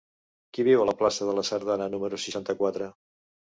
Qui viu a la plaça de la Sardana número seixanta-quatre?